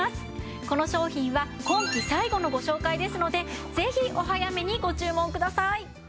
この商品は今季最後のご紹介ですのでぜひお早めにご注文ください！